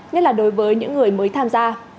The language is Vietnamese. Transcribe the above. nhất là đối với những người mới tham gia